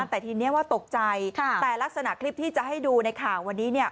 แต่ทีนี้ว่าตกใจแต่ลักษณะคลิปที่จะให้ดูในข่าววันนี้เนี่ย